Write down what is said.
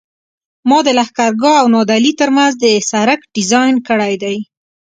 ما د لښکرګاه او نادعلي ترمنځ د سرک ډیزاین کړی دی